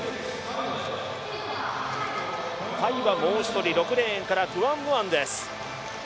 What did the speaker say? タイはもう一人６レーンからクワンムアンです。